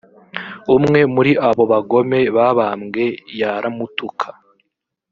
umwe muri abo bagome babambwe yaramutuka